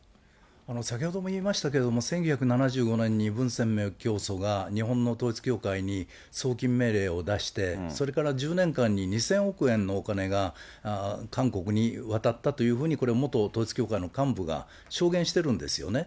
先ほども言いましたけれども、１９７５年に文鮮明教祖が日本の統一教会に送金命令を出して、それから１０年間に２０００億円のお金が韓国に渡ったというふうにこれ、元統一教会の幹部が証言してるんですよね。